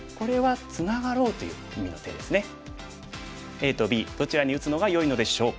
ＡとＢどちらに打つのがよいのでしょうか？